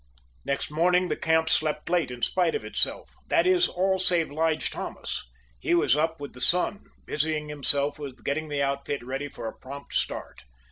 Next morning the camp slept late in spite of itself that is, all save Lige Thomas. He was up with the sun, busying himself with getting the outfit ready for a prompt start.